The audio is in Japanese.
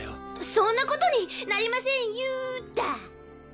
そんなことになりませんよだ！